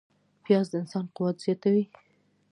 پیاز د انسان قوت زیاتوي